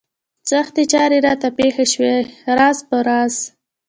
سختې چارې راته پېښې شوې راز په راز.